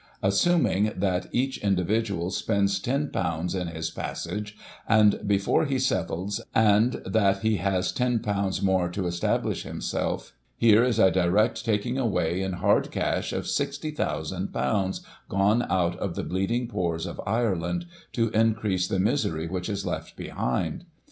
Assuming that each individual spends ;£'io in his passage, and before he settles, and that he has £10 more to establish himself, here is direct taking away, in hard cash, of ;£'6o,ooo gone out of the bleeding pores of Ireland, to in crease the misery which is left behind.